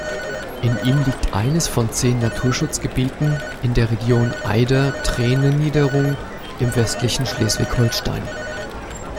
In ihm liegt eines von zehn Naturschutzgebieten in der Region Eider-Treene-Niederung im westlichen Schleswig-Holstein.